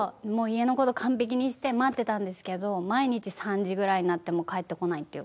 家の事完璧にして待ってたんですけど毎日３時ぐらいになっても帰ってこないっていうか。